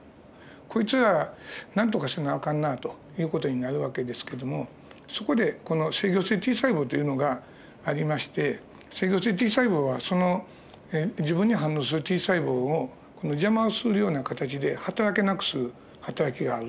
こいつはなんとかせなあかんなという事になる訳ですけどもそこでこの制御性Ｔ細胞っていうのがありまして制御性Ｔ細胞はその自分に反応するＴ細胞を邪魔をするような形ではたらけなくするはたらきがあると。